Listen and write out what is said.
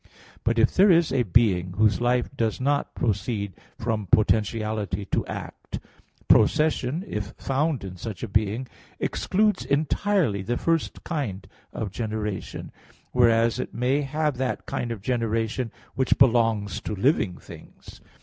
But if there is a being whose life does not proceed from potentiality to act, procession (if found in such a being) excludes entirely the first kind of generation; whereas it may have that kind of generation which belongs to living things.